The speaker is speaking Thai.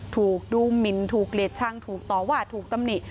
ถูกดูหมินถูกเกลียดชังถูกต่อว่าถูกตำหนิ